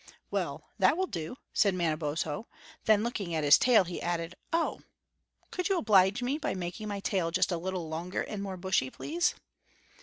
"Well, that will do," said Manabozho; then looking at his tail, he added, "Oh! could you oblige me by making my tail just a little longer and more bushy, please?"